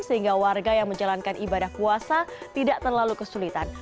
sehingga warga yang menjalankan ibadah puasa tidak terlalu kesulitan